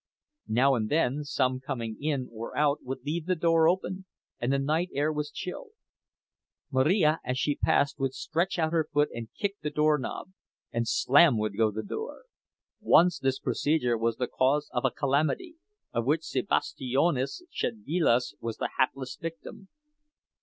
Now and then some one coming in or out would leave the door open, and the night air was chill; Marija as she passed would stretch out her foot and kick the doorknob, and slam would go the door! Once this procedure was the cause of a calamity of which Sebastijonas Szedvilas was the hapless victim.